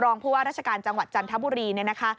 ผู้ว่าราชการจังหวัดจันทบุรีเนี่ยนะคะ